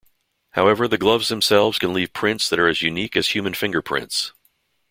However, the gloves themselves can leave prints that are as unique as human fingerprints.